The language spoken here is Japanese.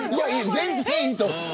全然いいと思う。